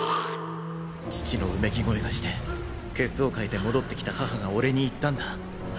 父のうめき声がして血相を変えて戻ってきた母が俺に言ったんだ。